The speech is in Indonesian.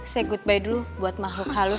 say goodbye dulu buat makhluk halus